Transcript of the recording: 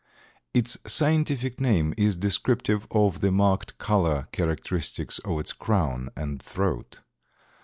Its scientific name is descriptive of the marked color characteristics of its crown and throat.